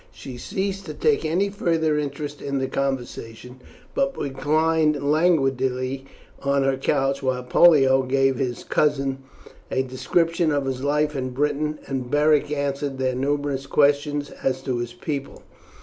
She ceased to take any further interest in the conversation, but reclined languidly on her couch, while Pollio gave his cousins a description of his life in Britain, and Beric answered their numerous questions as to his people.